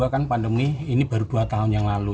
dua ribu dua puluh dua kan pandemi ini baru dua tahun yang lalu